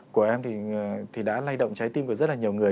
của em thì đã lay động trái tim của rất là nhiều người